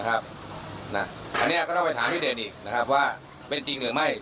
อันนี้ก็ต้องไปถามพี่เดชอีกนะครับว่าเป็นจริงหรือไม่